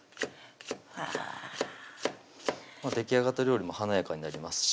できあがった料理も華やかになりますし